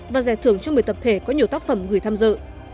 và giải thưởng cho một mươi tập thể có nhiều tác phẩm gửi tham dự